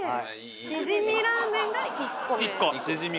しじみラーメンが１個目しじみ